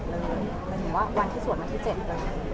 หมายถึงว่าวันที่สวดวันที่๗เลย